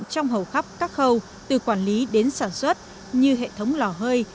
trong hầu khắp các khâu từ quản lý đến sản xuất như hệ thống lò hơi